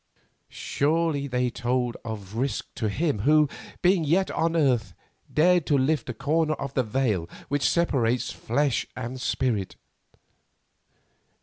Surely they told of risk to him who, being yet on earth, dared to lift a corner of the veil which separates flesh and spirit.